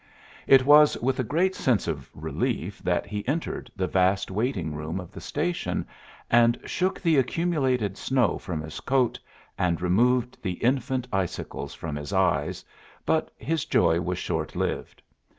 It was with a great sense of relief that he entered the vast waiting room of the station, and shook the accumulated snow from his coat, and removed the infant icicles from his eyes, but his joy was short lived.